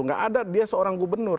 nggak ada dia seorang gubernur